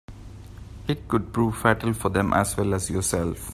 It could prove fatal for them as well as yourself.